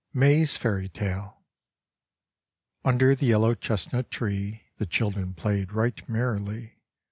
MAY'S FAIRY TALE. Under the yellow chestnut tree The children played right merrily.